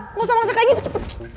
nggak usah bangsa kayak gitu cepet